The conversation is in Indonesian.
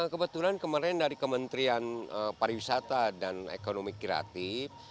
kebetulan kemarin dari kementerian pariwisata dan ekonomi kreatif